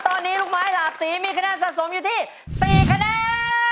ตอนนี้ลูกไม้หลากสีมีคะแนนสะสมอยู่ที่๔คะแนน